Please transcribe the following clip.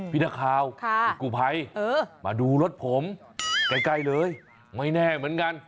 พี่นักข่าวพี่กูภัยมาดูรถผมใกล้เลยไม่แน่เหมือนกัน